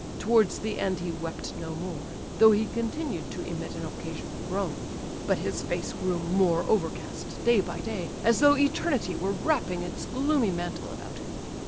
Towards the end he wept no more, though he continued to emit an occasional groan; but his face grew more overcast day by day, as though Eternity were wrapping its gloomy mantle about him.